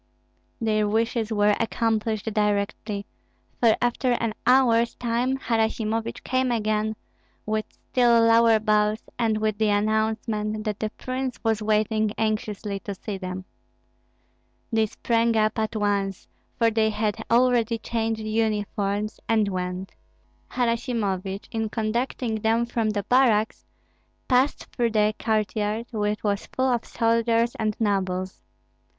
Their wishes were accomplished directly; for after an hour's time Harasimovich came again, with still lower bows, and with the announcement that the prince was waiting anxiously to see them. They sprang up at once, for they had already changed uniforms, and went. Harasimovich, in conducting them from the barracks, passed through the courtyard, which was full of soldiers and nobles.